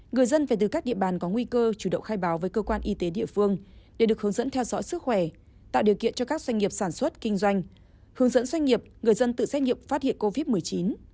người dân về từ các địa bàn có nguy cơ chủ động khai báo với cơ quan y tế địa phương để được hướng dẫn theo dõi sức khỏe tạo điều kiện cho các doanh nghiệp sản xuất kinh doanh hướng dẫn doanh nghiệp người dân tự xét nghiệm phát hiện covid một mươi chín